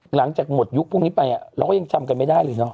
หลังจากหมดยุคพวกนี้ไปเราก็ยังจำกันไม่ได้เลยเนาะ